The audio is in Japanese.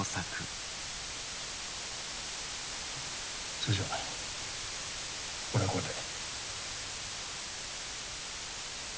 それじゃ俺はこれで。